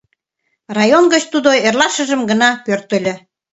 Район гыч тудо эрлашыжым гына пӧртыльӧ.